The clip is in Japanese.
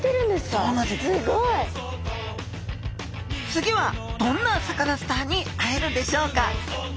次はどんなサカナスターに会えるでしょうか？